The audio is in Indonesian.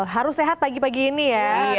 harus sehat pagi pagi ini ya